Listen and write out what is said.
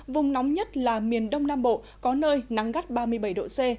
vùng nóng nhất là miền đông nam bộ có nơi nắng gắt ba mươi bảy độ c